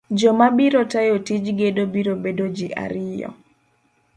Joma biro tayo tij gedo biro bedo ji ariyo.